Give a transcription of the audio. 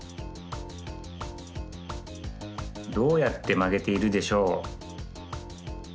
どうやってまげているでしょう？